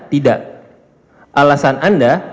tidak alasan anda